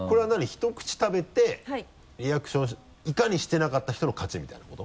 ひと口食べてリアクションをいかにしてなかった人の勝ちみたいなこと？